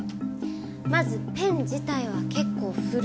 まずペン自体は結構古いものでした。